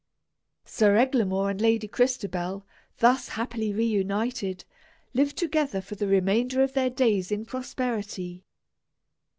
Sir Eglamour and Lady Crystabell, thus happily reunited, lived together for the remainder of their days in prosperity.